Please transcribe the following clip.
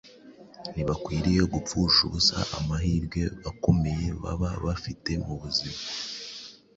Ntibakwiriye gupfusha ubusa amahirwe akomeye baba bafite mu buzima,